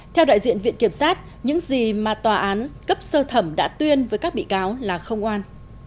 theo đại diện viện kiểm sát những gì mà tòa án cấp sơ thẩm đã tuyên với các bị cáo là không oan